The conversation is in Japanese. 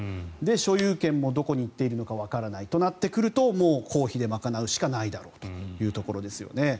所有権もどこに行っているのかわからないとなってくると公費で賄うしかないだろうというところですよね。